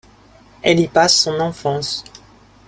Elle y passe son enfance.